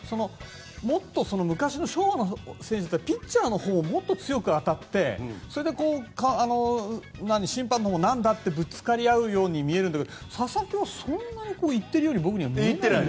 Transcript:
もっとその昔の昭和の選手はピッチャーのほうもっと強く当たって審判も何だとぶつかり合うように見えるんですけど佐々木はそんなにいっているように僕には見えない。